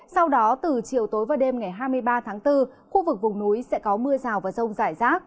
sau đó từ chiều tối và đêm ngày hai mươi ba tháng bốn khu vực vùng núi sẽ có mưa rào và rông rải rác